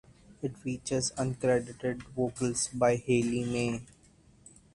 It features uncredited vocals by Hayley May.